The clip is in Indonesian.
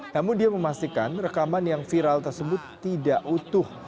namun dia memastikan rekaman yang viral tersebut tidak utuh